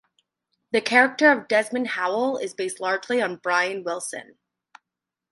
The character of Desmond Howl is based largely on Brian Wilson.